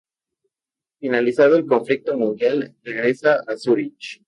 Finalizado el conflicto mundial, regresa a Zúrich.